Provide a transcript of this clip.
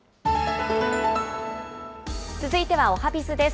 続いてはおはＢｉｚです。